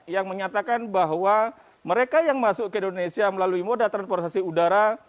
yang menyatakan bahwa mereka yang masuk ke indonesia melalui moda transportasi udara